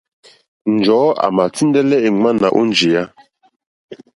Njɔ̀ɔ́ àmà tíndɛ́lɛ́ èŋwánà ó njìyá.